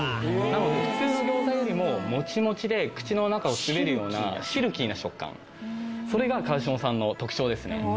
なので普通の餃子よりももちもちで口の中を滑るようなシルキーな食感それがかわしもさんの特徴ですね